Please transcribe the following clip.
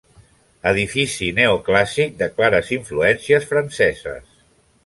Edifici neoclàssic de clares influències franceses.